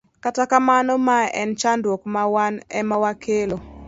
Kata kamano, mae en chandruok ma wan ema wakelo.